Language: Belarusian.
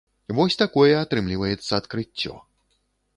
Вось такое атрымліваецца адкрыццё.